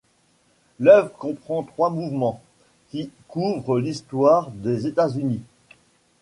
L'œuvre comprend trois mouvements, qui couvrent l'histoire des États-Unis.